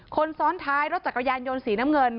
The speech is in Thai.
คนซ้อนท้ายรถจักรยานยนต์สีน้ำเงิน